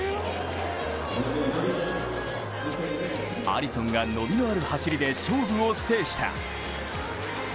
アリソンが、伸びのある走りで勝負を制した。